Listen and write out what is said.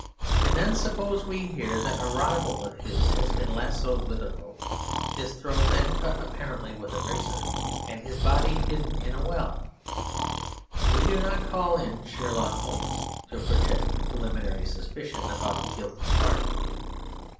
And then suppose we hear that a rival of his has been lassoed with a rope, his throat then cut, apparently with a razor, and his body hidden in a well, we do not call in Sherlock Holmes to project a preliminary suspicion about the guilty party.